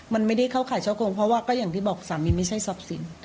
มันไม่ได้เข้าข่ายช่อโกงเพราะว่าก็อย่างที่บอกสามีไม่ใช่ทรัพย์สิน